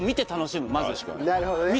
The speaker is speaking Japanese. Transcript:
なるほどね。